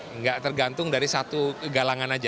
tidak tergantung dari satu galangan